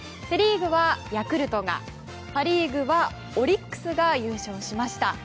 セ・リーグはヤクルトがパ・リーグはオリックスが優勝しました。